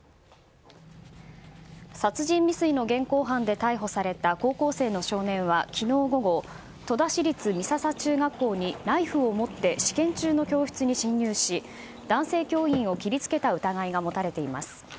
殺人未遂の現行犯で逮捕された高校生の少年は昨日午後、戸田市立美笹中学校にナイフを持って試験中の教室に侵入し男性教員を切りつけた疑いが持たれています。